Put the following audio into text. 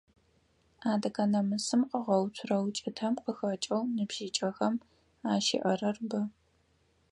Адыгэ намысым къыгъэуцурэ укӀытэм къыхэкӀэу ныбжьыкӀэхэм ащыӀэрэр бэ.